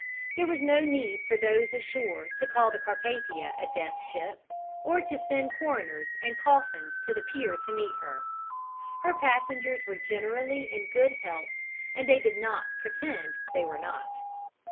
There was no need for those ashore to call the Carpathia a "death ship," or to send coroners and coffins to the pier to meet her: her passengers were generally in good health and they did not pretend they were not.